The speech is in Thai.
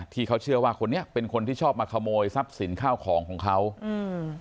ที่เขาเชื่อว่าคนนี้เป็นคนที่ชอบมาขโมยทรัพย์สินข้าวของของเขาอืม